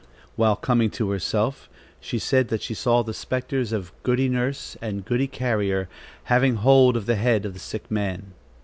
While coming to herself, she said that she saw the spectres of Goody Nurse and Goody Carrier having hold of the head of the sick man.